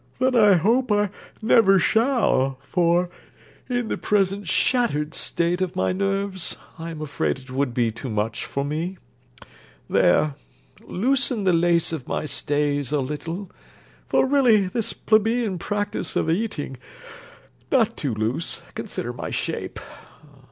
'Then I hope I never shall, for, in the present shattered state of my nerves, I am afraid it would be too much for me. There loosen the lace of my stays a little, for really this plebeian practice of eating Not too loose consider my shape.